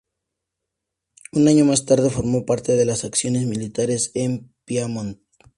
Un año más tarde formó parte de las acciones militares en Piamonte.